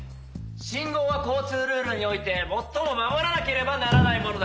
信号は交通ルールにおいて最も守らなければならないものだ。